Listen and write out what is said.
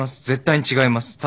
絶対に違います。